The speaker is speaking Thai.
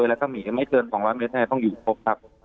และมีที่ไม่เทิดล้อมว่าไม่ใช่แบบนี้ต้องอยู่พบครับ